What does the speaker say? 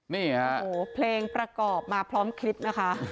นี่ค่ะเพลงประกอบมาพร้อมคลิปนะคะ